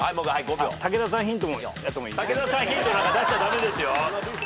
武田さんヒントなんか出しちゃ駄目ですよ。